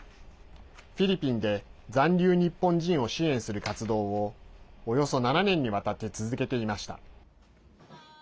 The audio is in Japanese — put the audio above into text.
フィリピンで残留日本人を支援する活動をおよそ７年にわたって続けていました。